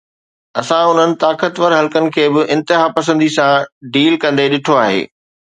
اسان انهن طاقتور حلقن کي به انتهاپسنديءَ سان ڊيل ڪندي ڏٺو آهي.